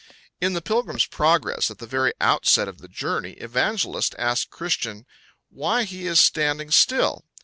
In the Pilgrim's Progress, at the very outset of the journey, Evangelist asks Christian why he is standing still.